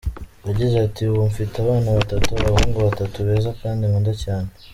Yagize ati “Ubu mfite abana batatu, abahungu batatu beza kandi nkunda cyane.